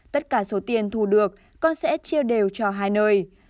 tất cả số tiền thu được con sẽ chia đều cho hai nơi